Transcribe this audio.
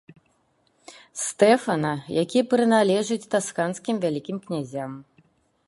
Стэфана, які прыналежыць тасканскім вялікім князям.